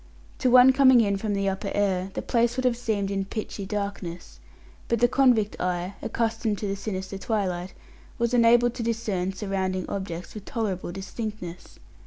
To one coming in from the upper air, the place would have seemed in pitchy darkness, but the convict eye, accustomed to the sinister twilight, was enabled to discern surrounding objects with tolerable distinctness.